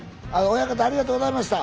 親方ありがとうございました。